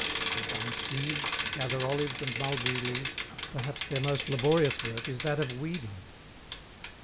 They bind sheaves, gather olives and mulberry leaves; perhaps their most laborious work is that of weeding.